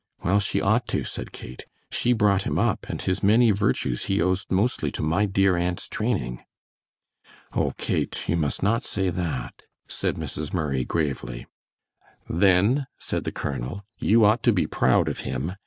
"Well, she ought to," said Kate, "she brought him up, and his many virtues he owes mostly to my dear aunt's training." "Oh, Kate, you must not say that," said Mrs. Murray, gravely. "Then," said the colonel, "you ought to be proud of him.